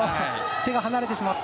手が離れてしまった。